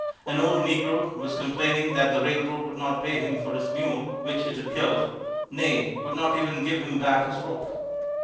An old negro was complaining that the railroad would not pay him for his mule, which it had killed nay, would not even give him back his rope.